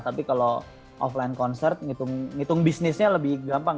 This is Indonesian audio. tapi kalau offline concert ngitung bisnisnya lebih gampang